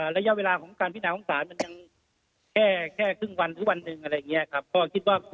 ระยะเวลาของการพิจารณาปรังสาร